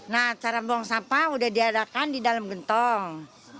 nah cara buang sampah udah diadakan di dalam gentong